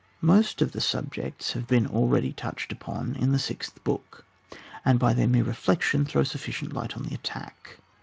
Most of the subjects have been already touched upon in the sixth book, and by their mere reflection, throw sufficient light on the attack.